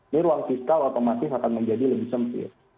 ini ruang fiskal otomatis akan menjadi lebih sempit